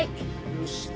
よしと。